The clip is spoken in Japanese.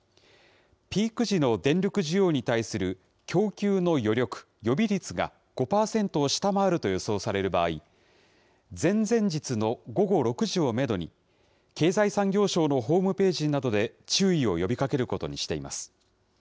ピーク時の電力需要に対する供給の余力・予備率が５％を下回ると予想される場合、前々日の午後６時をメドに、経済産業省のホームページなどで注意を呼びかけることにしています。